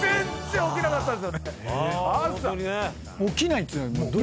起きないっつうのはどう。